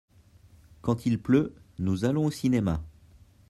Quand il pleut nous allons au cinéma.